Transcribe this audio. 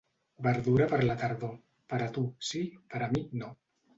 Verdura per la tardor, per a tu, sí, per a mi, no.